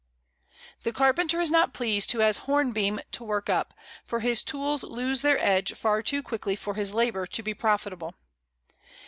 The carpenter is not pleased who has hornbeam to work up, for his tools lose their edge far too quickly for his labour to be profitable.